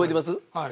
はい。